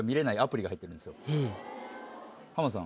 浜田さん。